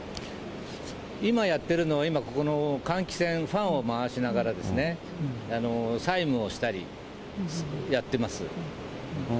今やってるのは、今この換気扇、ファンを回しながらですね、細霧をしたりやってます。